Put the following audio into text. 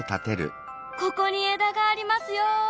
ここに枝がありますよ。